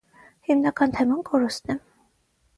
Հիմնական թեման կորուստն է։